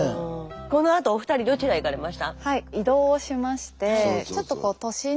このあとお二人どちらへ行かれました？